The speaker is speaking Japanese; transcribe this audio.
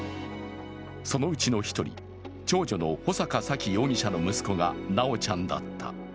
そのうちの一人、長女の穂坂沙喜容疑者の息子が修ちゃんだった。